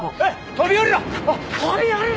飛び降りろ！